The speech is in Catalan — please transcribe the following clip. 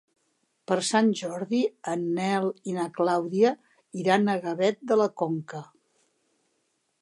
Per Sant Jordi en Nel i na Clàudia iran a Gavet de la Conca.